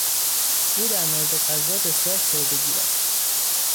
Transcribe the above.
او در مورد غذا بسیار خردهگیر است.